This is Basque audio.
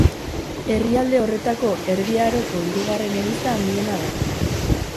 Herrialde horretako erdi aroko hirugarren eliza handiena da.